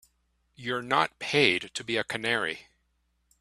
You're not paid to be a canary.